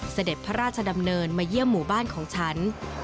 เสด็จพระราชดำเนินมาเยี่ยมหมู่บ้านของฉัน